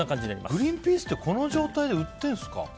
グリーンピースってこの状態で売ってるんですか？